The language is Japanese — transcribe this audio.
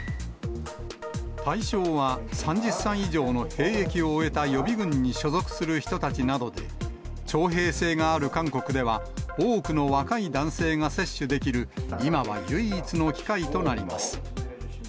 対象は３０歳以上の兵役を終えた予備軍に所属する人たちなどで、徴兵制がある韓国では、多くの若い男性が接種できる、今は唯一の機会となります。